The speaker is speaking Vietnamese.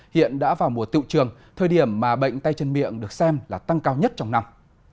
hiện đã vào mùa tiệu trường thời điểm mà bệnh tay chân miệng được xem là tăng cao nhất trong năm